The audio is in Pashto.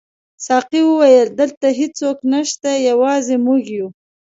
ساقي وویل: دلته هیڅوک نشته، یوازې موږ یو.